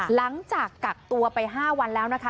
หลังจากกักตัวไป๕วันแล้วนะคะ